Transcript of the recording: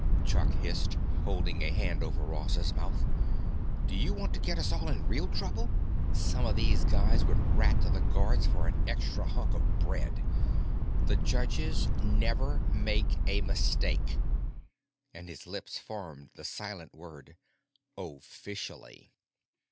Chuck hissed, holding a hand over Ross's mouth. "Do you want to get us all in real trouble? Some of these guys would rat to the guards for an extra hunk of bread! The judges never make a mistake." And his lips formed the silent word: "Officially."